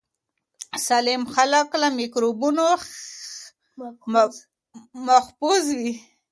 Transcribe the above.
سالم خلک له میکروبونو محفوظ وي.